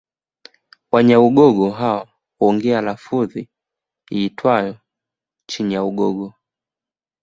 Wanyaugogo hawa huongea lafudhi iitwayo Chinyaugogo